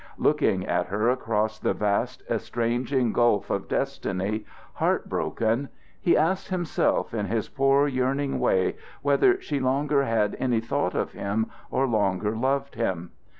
Looking at her across the vast estranging gulf of destiny, heart broken, he asked himself in his poor yearning way whether she longer had any thought of him or longer loved him.